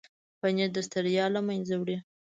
پنېر د ستړیا له منځه وړي.